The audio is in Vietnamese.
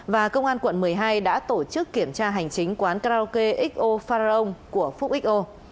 và công an quận một mươi hai đã tổ chức kiểm tra hành chính quán karaoke xo farrong của phúc xo